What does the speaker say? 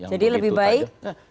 jadi lebih baik